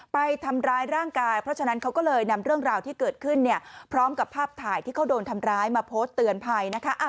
ไปทำร้ายร่างกายเพราะฉะนั้นเขาก็เลยนำเรื่องราวที่เกิดขึ้นเนี่ยพร้อมกับภาพถ่ายที่เขาโดนทำร้ายมาโพสต์เตือนภัยนะคะ